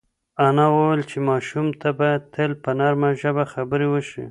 انا وویل چې ماشوم ته باید تل په نرمه ژبه خبرې وشي.